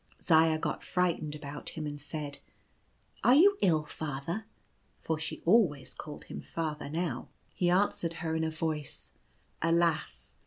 Zaya got frightened about him, and said, "Are you ill, father?" for she always called him father now. He answered her in a voice alas